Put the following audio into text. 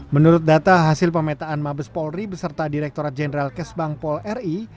menurut data hasil pemetaan mabes polri beserta direkturat jenderal kesbang pol ri